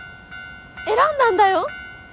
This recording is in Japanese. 選んだんだよ？